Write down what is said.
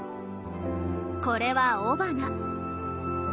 これは雄花。